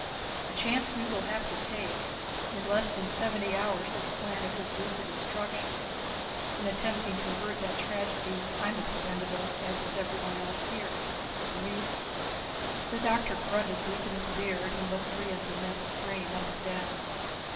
"A chance we will have to take. In less than seventy hours this planet is due for destruction. In attempting to avert that tragedy I'm expendable, as is everyone else here. Agreed?" The doctor grunted deep in his beard and looked Brion's immense frame up and down.